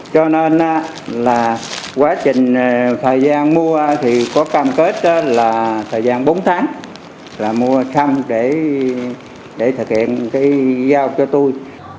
cho nên là quá trình thời gian mua thì có cam kết là thời gian bốn tháng là mua thăm để thực hiện cái giao cho tôi